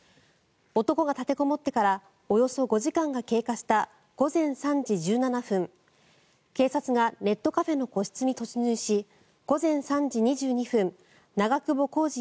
男が立てこもってからおよそ５時間が経過した午前３時１７分警察がネットカフェの個室に突入し午前３時２２分長久保浩二